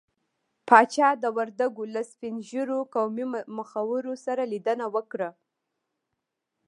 پاچا د وردګو له سپين ږيرو قومي مخورو سره ليدنه وکړه.